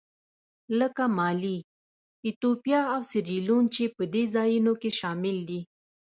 لکه مالي، ایتوپیا او سیریلیون چې په دې ځایونو کې شامل دي.